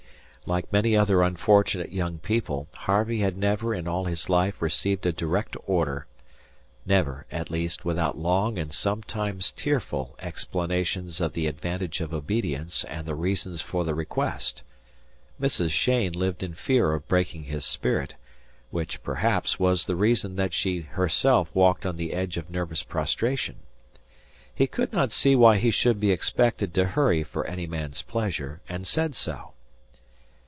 Like many other unfortunate young people, Harvey had never in all his life received a direct order never, at least, without long, and sometimes tearful, explanations of the advantages of obedience and the reasons for the request. Mrs. Cheyne lived in fear of breaking his spirit, which, perhaps, was the reason that she herself walked on the edge of nervous prostration. He could not see why he should be expected to hurry for any man's pleasure, and said so.